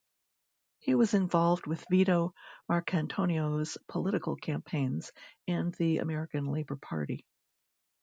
He was involved with Vito Marcantonio's political campaigns and the American Labor Party.